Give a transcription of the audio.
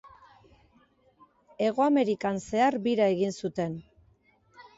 Hego Amerikan zehar bira egin zuten.